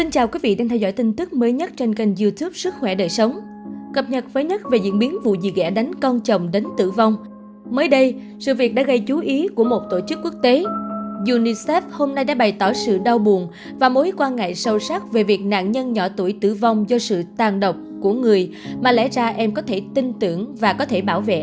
các bạn hãy đăng ký kênh để ủng hộ kênh của chúng mình nhé